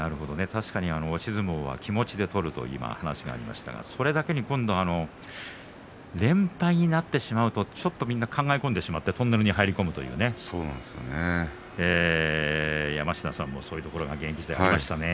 確かに押し相撲は気持ちで取ると話がありましたがそれだけに今度は連敗になってしまうとみんな考えてしまってトンネルに入り込むというね山科さんも、そういうところは現役時代、ありましたね。